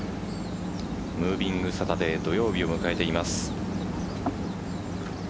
ムービングサタデー土曜日を迎えています。